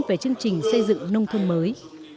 về chương trình xây dựng nông thôn mới